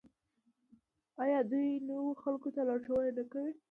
آیا دوی نویو خلکو ته لارښوونه نه کوي؟